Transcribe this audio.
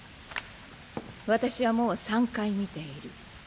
私はもう３回見ている。